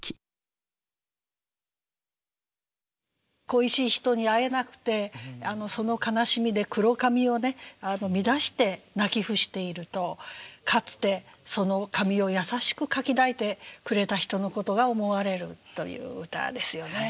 「恋しい人に会えなくてその悲しみで黒髪を乱して泣き伏しているとかつてその髪を優しくかき抱いてくれた人のことが思われる」という歌ですよね。